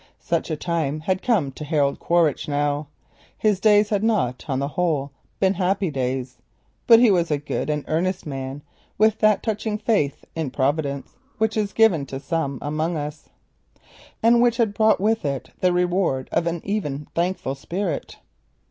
Such a time had come to Harold Quaritch now. His days had not, on the whole, been happy days; but he was a good and earnest man, with that touching faith in Providence which is given to some among us, and which had brought with it the reward of an even thankful spirit.